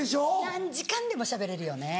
何時間でもしゃべれるよね。